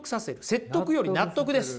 説得より納得です。